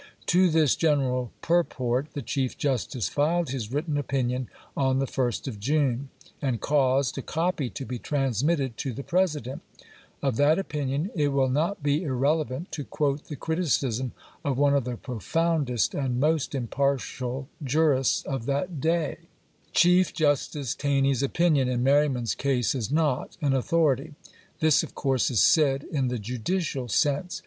To this general purport the Chief Justice filed his written opinion on the 1st of June, and caused a copy to be transmitted to the President, pp. 646 659. Of that opinion it will not be irrelevant to quote the criticism of one of the profoundest and most impartial jurists of that day: Chief Justice Taney's opinion in Merryman's ease is not an authority. This, of course, is said in the judicial sense.